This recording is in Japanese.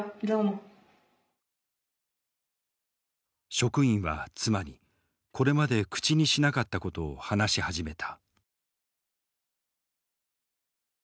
職員は妻にこれまで口にしなかったことを話し始めた。